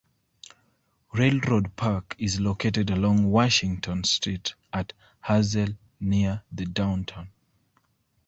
Railroad Park is located along Washington Street at Hazel near the Downtown.